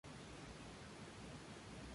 Siendo el último cantor del Señor del Tango.